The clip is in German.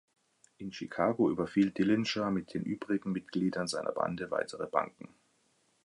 In Chicago überfiel Dillinger mit den übrigen Mitgliedern seiner Bande weitere Banken.